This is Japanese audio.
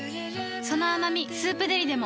その甘み「スープデリ」でも